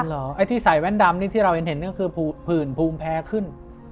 ไอ้ที่ใส่แว่นดำนี่ที่เราเห็นก็คือผื่นภูมิแพ้ขึ้น